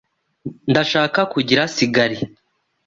Ndashaka kugira sigari.